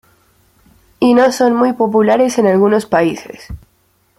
Y no son muy populares en algunos países.